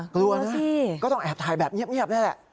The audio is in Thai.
กลัวสิก็ต้องแอบถ่ายแบบเงียบแน่